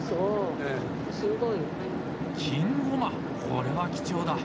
これは貴重だ。